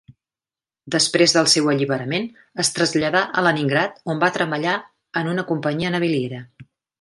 Després del seu alliberament, es traslladà a Leningrad on va treballar en una companyia naviliera.